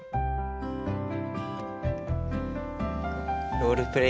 ロールプレイ